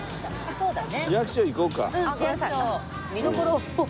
そうだよね。